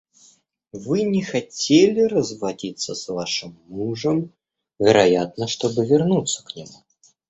Вы не хотели разводиться с вашим мужем, вероятно, чтобы вернуться к нему.